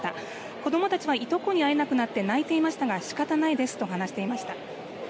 子どもたちはいとこに会えなくなって泣いていましたがしかたないですと話していました。